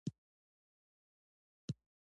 د پښتورګو د شګو لپاره د هندواڼې اوبه وڅښئ